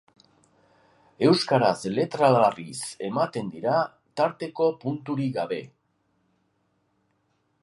Euskaraz letra larriz ematen dira, tarteko punturik gabe.